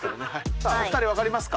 さあお二人わかりますか？